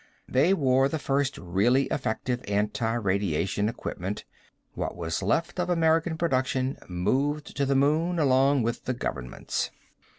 They wore the first really effective anti radiation equipment; what was left of American production moved to the moon along with the governments.